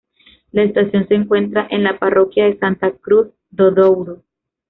La estación se encuentra en la parroquia de Santa Cruz do Douro.